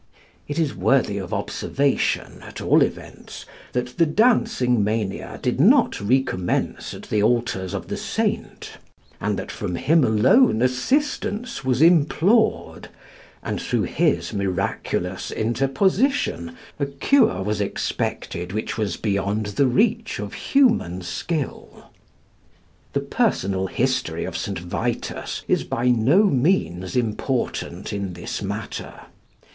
It is worthy of observation, at all events, that the Dancing Mania did not recommence at the altars of the saint, and that from him alone assistance was implored, and through his miraculous interposition a cure was expected, which was beyond the reach of human skill. The personal history of St. Vitus is by no means important in this matter.